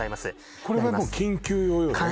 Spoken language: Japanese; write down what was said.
これはもう緊急用よね